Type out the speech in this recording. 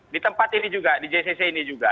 di tempat ini juga di jcc ini juga